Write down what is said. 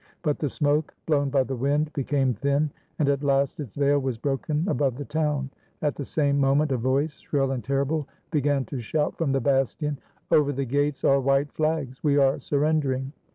But the smoke, blown by the wind, became thin, and at last its veil was broken above the town. At the same moment a voice, shrill and terrible, began to shout from the bastion, — "Over the gates are white flags! We are surrender ing!"